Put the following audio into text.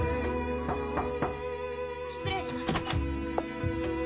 失礼します。